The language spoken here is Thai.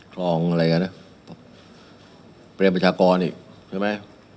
คลองอะไรอย่างนั้นเปรียบประชากรอีกใช่ไหม